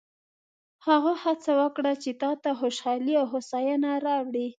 هغه هڅه وکړه چې تا ته خوشحالي او هوساینه راوړي.